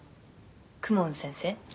「公文先生？」